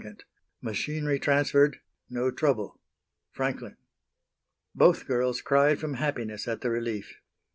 Machinery transferred; no trouble. FRANKLIN. Both girls cried from happiness at the relief.